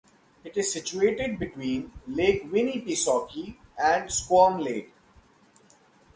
It is situated between Lake Winnipesaukee and Squam Lake.